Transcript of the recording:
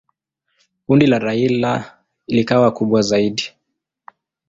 Kundi la Raila likawa kubwa zaidi.